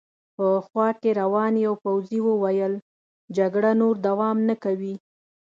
په خوا کې روان یوه پوځي وویل: جګړه نور دوام نه کوي.